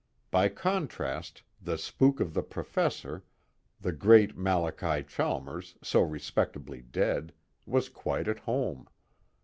_ By contrast, the spook of The Professor, the great Malachi Chalmers so respectably dead, was quite at home.